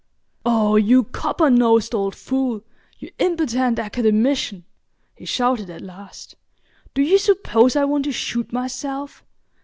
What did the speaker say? "Oh, you copper nosed old fool—you impotent Academician!" he shouted at last. "Do you suppose I want to shoot myself?